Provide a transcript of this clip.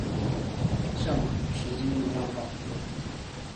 橡皮筋一样绑住